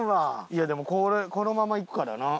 いやでもこれこのままいくかだな。